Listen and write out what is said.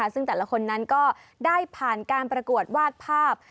ซึ่งแต่ละคนนั้นก็ได้ผ่านการประกวดวาดภาพ